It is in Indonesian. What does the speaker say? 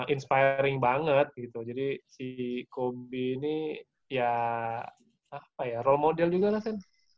inspiring banget gitu jadi si kobi ini ya apa ya role model juga lah kan